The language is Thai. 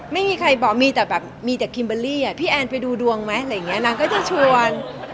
ไม่มีใครบอกมีแต่แบบมีแต่คิมเบอร์รี่อ่ะพี่แอนไปดูดวงไหมอะไรอย่างนี้นางก็จะชวน